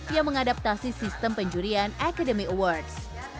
yang mengadaptasi sistem penjurian academy awards